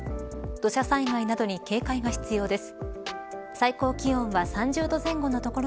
土砂災害などに警戒が必要です。